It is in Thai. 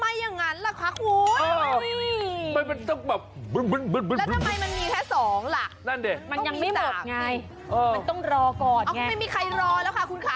มันปิดรอสักอีกแล้วอะ